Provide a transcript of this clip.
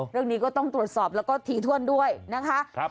เรื่องนี้ก็ต้องตรวจสอบแล้วก็ถี่ถ้วนด้วยนะคะ